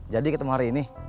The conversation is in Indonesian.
jadi ketemu hari ini